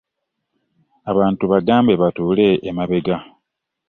Abantu bagambe batuule emabega.